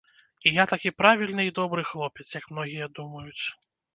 І я такі правільны і добры хлопец, як многія думаюць.